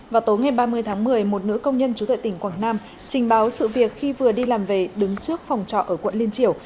vào tối ngày ba mươi tháng một mươi một nữ công nhân chú tại tỉnh quảng nam trình báo sự việc khi vừa đi làm về đứng trước phòng trọ ở quận liên triều